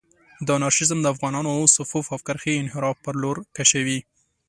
دا انارشېزم د افغانانانو صفوف او کرښې انحراف پر لور کشوي.